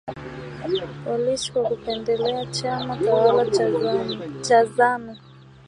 polisi kwa kukipendelea chama tawala cha Zanu